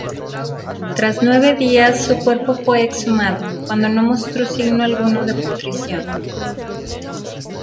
Tras nueve días su cuerpo fue exhumado, cuando no mostró signo alguno de pudrición.